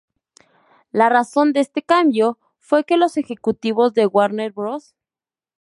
La razón de este cambio fue que los ejecutivos de Warner Bros.